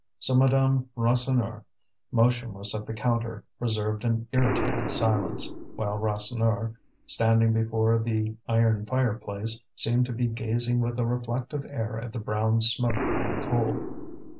So Madame Rasseneur, motionless at the counter, preserved an irritated silence; while Rasseneur, standing before the iron fireplace, seemed to be gazing with a reflective air at the brown smoke from the coal.